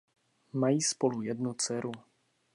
Mají spolu jednu dceru.